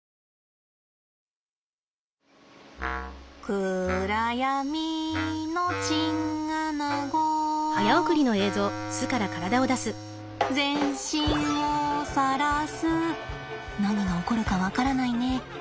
「くらやみのチンアナゴ」「全身をさらす」何が起こるか分からないね。